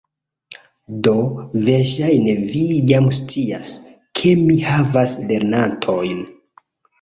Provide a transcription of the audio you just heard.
Do, verŝajne vi jam scias, ke mi havas lernantojn